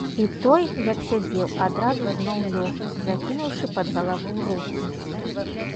І той, як сядзеў, адразу зноў лёг, закінуўшы пад галаву рукі.